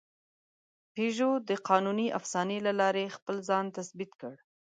پيژو د قانوني افسانې له لارې خپل ځان تثبیت کړ.